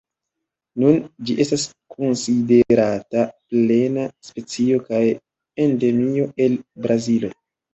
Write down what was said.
Nun ĝi estas konsiderata plena specio kaj endemio el Brazilo.